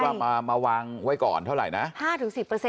หรือว่ามาวางไว้ก่อนเท่าไหร่